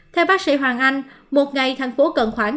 theo bác sĩ hoàng anh một ngày thành phố cần khoảng